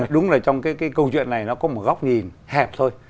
đúng là trong cái câu chuyện này nó có một góc nhìn hẹp thôi